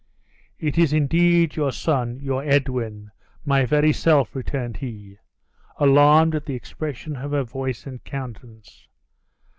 "It is indeed your son, your Edwin, my very self," returned he, alarmed at the expression of her voice and countenance.